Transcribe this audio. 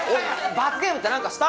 罰ゲームってなんかした？